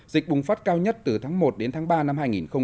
dịch bùng phát cao nhất từ tháng một đến tháng ba năm hai nghìn một mươi chín